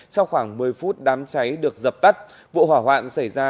sau khoảng một mươi phút đám cháy được dập tắt vụ hỏa hoạn xảy ra